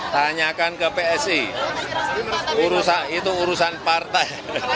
tanyakan ke psi itu urusan partai